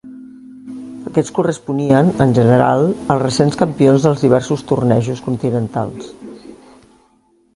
Aquests corresponien, en general, als recents campions dels diversos tornejos continentals.